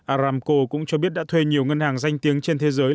aramco cũng cho biết đã thuê nhiều ngân hàng danh tiếng trên thế giới